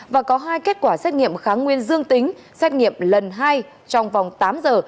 và có hai kết quả xét nghiệm kháng nguyên dương tính xét nghiệm lần hai trong vòng tám giờ